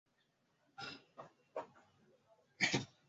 Hatuwezi kuwa na uchumi wa buluu tukaitumia bahari kama shamba la bibi